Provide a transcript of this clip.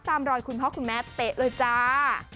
ตามรอยคุณพ่อคุณแม่เป๊ะเลยจ้า